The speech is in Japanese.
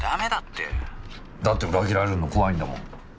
だって裏切られるの怖いんだもん。